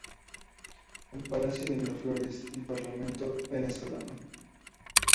El Palacio de Miraflores y el Parlamento venezolano.